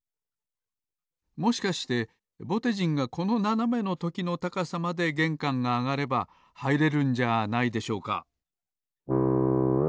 もしかしてぼてじんがこのななめのときの高さまでげんかんがあがればはいれるんじゃないでしょうか？